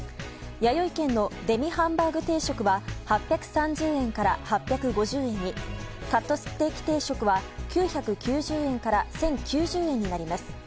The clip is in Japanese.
やよい軒のデミハンバーグ定食は８３０円から８５０円にカットステーキ定食は９９０円から１０９０円になります。